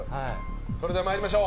それでは参りましょう。